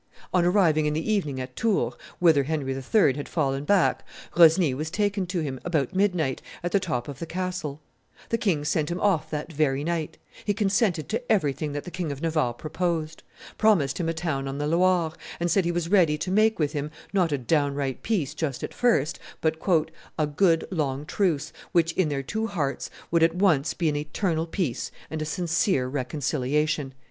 On arriving in the evening at Tours, whither Henry III. had fallen back, Rosny was taken to him, about midnight, at the top of the castle; the king sent him off that very night; he consented to everything that the King of Navarre proposed; promised him a town on the Loire, and said he was ready to make with him not a downright peace just at first, but "a good long truce, which, in their two hearts, would at once be an eternal peace and a sincere reconciliation."